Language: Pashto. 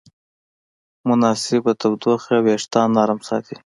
مناسب تودوخه وېښتيان نرم ساتي.